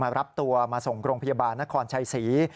รับตัวมาส่งโรงพยาบาลนครชัยศรี